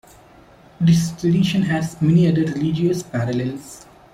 This tradition has many other religious parallels.